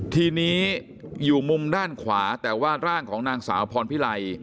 ทีนี้อยู่มุมด้านขวาแต่ว่าร่างของนางสาวพรพิไล